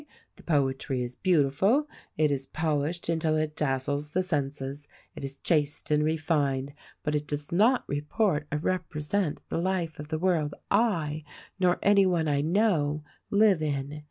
The poetry is beautiful, it is polished until it dazzles the senses, it is chaste and refined; but it does not report or represent the life of the world I, nor any one I know, live in.